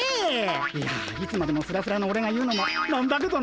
いやいつまでもふらふらのオレが言うのも何だけどな。